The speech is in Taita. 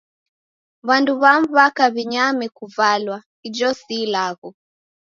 W'andu w'amu w'aka w'inyame kuvalwa--ijo si ilagho.